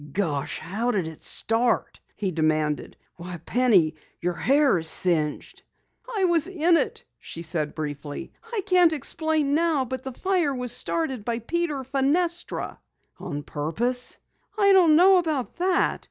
"Gosh, how did it start?" he demanded. "Why, Penny, your hair is singed!" "I was in it," she said briefly. "I can't explain now, but the fire was started by Peter Fenestra." "On purpose?" "I don't know about that.